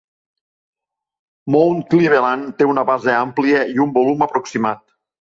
Mount Cleveland té una base àmplia i un volum aproximat.